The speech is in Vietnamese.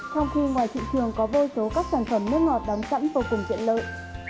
trong khi ngoài thị trường có vô số các sản phẩm nước ngọt đóng sẵn vô cùng tiện lợi